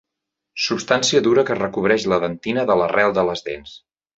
Substància dura que recobreix la dentina de l'arrel de les dents.